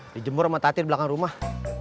di jemur sama tati di belakang rumah